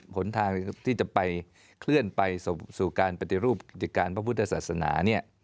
ผลทางที่จะไปเคลื่อนไปสู่การปฏิรูปกิจการพระพุทธศาสนา